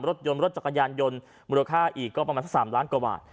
รถยนต์รถจักรยานยนต์มูลค่าอีกก็ประมาณสัก๓ล้านกว่าบาท